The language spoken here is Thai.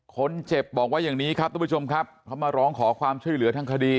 คนเจ็บบอกว่าอย่างนี้ครับทุกผู้ชมครับเขามาร้องขอความช่วยเหลือทางคดี